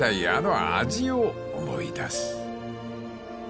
あの味を思い出す］